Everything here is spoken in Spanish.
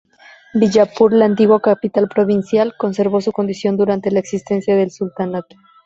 Bijapur, la antigua capital provincial, conservó su condición durante la existencia del Sultanato.